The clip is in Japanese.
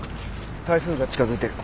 台風が近づいてる。